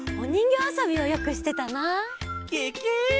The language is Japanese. ケケ！